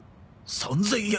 「３０００円」！？